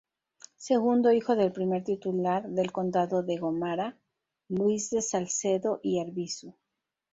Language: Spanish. Segundo hijo del Primer titular del Condado de Gomara Luis de Salcedo y Arbizu.